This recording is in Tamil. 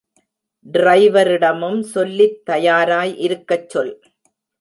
ட்ரைவரிடமும் சொல்லித் தயாராய் இருக்கச் சொல்.